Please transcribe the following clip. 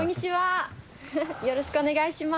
よろしくお願いします。